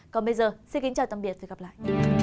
còn bây giờ xin kính chào tạm biệt và hẹn gặp lại